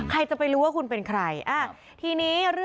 ใครจะไปรู้ว่าคุณเป็นใคร